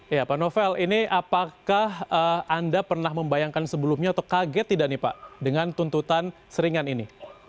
ya pak novel ini apakah anda pernah membayangkan sebelumnya atau kaget tidak nih pak dengan tuntutan seringan ini